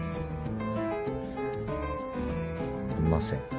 いません。